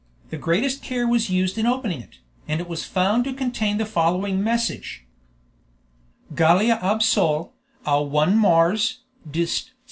The greatest care was used in opening it, and it was found to contain the following message: "Gallia Ab sole, au 1 mars, dist.